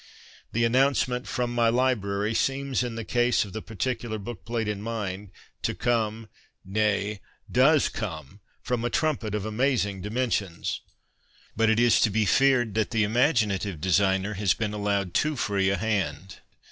The announcement ' from my library ' seems in the case of the particular book plate in mind to come, nay, does come, from a trum pet of amazing dimensions. But it is to be feared that the imaginative designer has been allowed too free a hand.